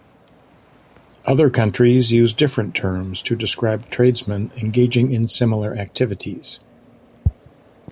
Other countries use different terms to describe tradesmen engaging in similar activities.